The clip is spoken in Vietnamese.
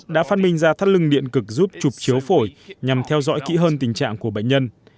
đã phát minh ra thắt lưng điện cực giúp chụp chiếu phổi nhằm theo dõi kỹ hơn tình trạng của bệnh nhân